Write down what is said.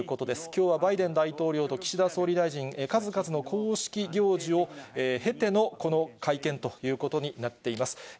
きょうはバイデン大統領と岸田総理大臣、数々の公式行事を経てのこの会見ということになっています。